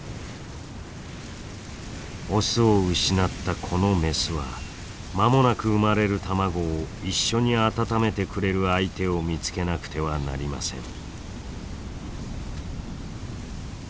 オスを失ったこのメスは間もなく産まれる卵を一緒に温めてくれる相手を見つけなくてはなりません。